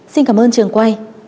xin cảm ơn trường quay